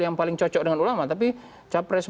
yang paling cocok dengan ulama tapi capres